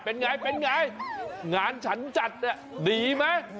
เป็นอย่างไรงานฉันจัดนี่ดีไหม